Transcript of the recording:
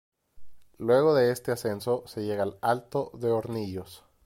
Luego de este ascenso se llega al Alto de Hornillos.